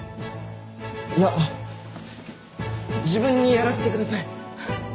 いや自分にやらせてください！